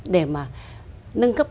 để mà nâng cấp